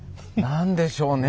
何でしょうね？